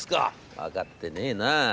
『分かってねえな。